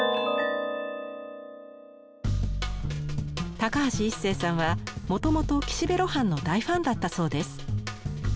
高橋一生さんはもともと岸辺露伴の大ファンだったそうです。